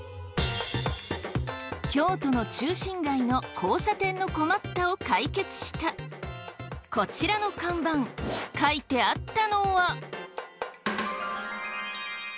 京都の中心街の交差点の困ったを解決したこちらの看板書いてあったのは。